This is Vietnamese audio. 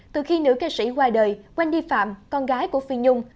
từ khi nữ ca sĩ qua đời wendy phạm con gái của phi nhung